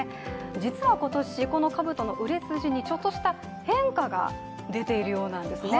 実は今年、このかぶとの売れ筋にちょっとした変化が出ているようなんですね。